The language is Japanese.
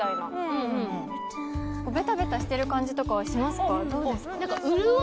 ベタベタしてる感じとかはしますか？